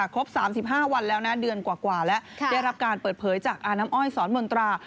ครบ๓๕วันแล้วนะเดือนกว่าแล้วได้รับการเปิดเผยจากอาน้ำอ้อยสอนมนตรา